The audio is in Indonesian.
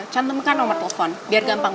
cantumkan nomor telepon biar gampang